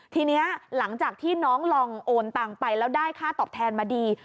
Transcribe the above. ทีนี้หลังจากที่น้องลองโอนตังไปแล้วได้ค่าตอบแทนมาดี